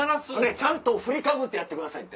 ちゃんと振りかぶってやってくださいって。